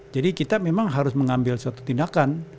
jadi kita memang harus mengambil suatu tindakan